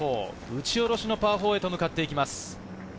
打ち下ろしのパー４へと向かっていきます。